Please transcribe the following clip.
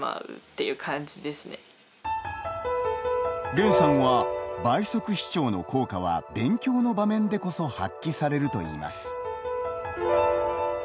レンさんは倍速視聴の効果は勉強の場面でこそ発揮されるといいます。